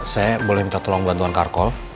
saya boleh minta tolong bantuan car call